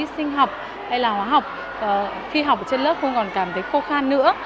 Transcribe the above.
sinh học hay là hóa học khi học ở trên lớp không còn cảm thấy khô khan nữa